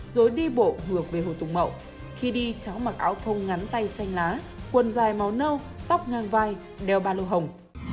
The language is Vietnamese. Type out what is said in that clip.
rồi đi bộ ngược về hồ tùng mậu khi đi cháu mặc áo thôm ngắn tay xanh lá quần dài màu nâu tóc ngang vai đeo ba lô hồng